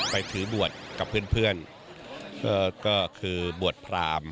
ไปถือบวชกับเพื่อนก็คือบวชพราม